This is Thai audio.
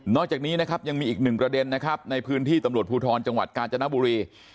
จากนี้นะครับยังมีอีกหนึ่งประเด็นนะครับในพื้นที่ตำรวจภูทรจังหวัดกาญจนบุรี